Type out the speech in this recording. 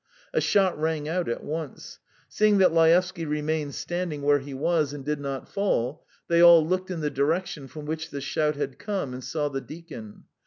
A shot rang out at once. Seeing that Laevsky remained standing where he was and did not fall, they all looked in the direction from which the shout had come, and saw the deacon.